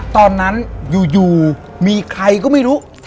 ตอนนั้นอยู่มีใครก็ไม่รู้